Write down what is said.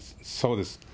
そうです。